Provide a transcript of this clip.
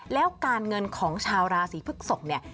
แล้วการเงินของชาวราศีพฤกษกเนี่ย